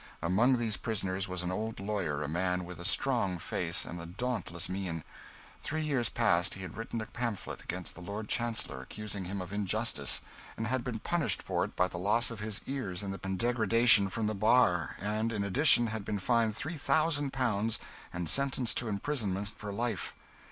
Among these prisoners was an old lawyer a man with a strong face and a dauntless mien. Three years past, he had written a pamphlet against the Lord Chancellor, accusing him of injustice, and had been punished for it by the loss of his ears in the pillory, and degradation from the bar, and in addition had been fined 3,000 pounds and sentenced to imprisonment for life.